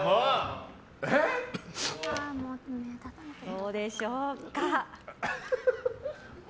どうでしょうか。